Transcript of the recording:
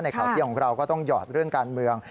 ข่าวเที่ยงของเราก็ต้องหยอดเรื่องการเมือง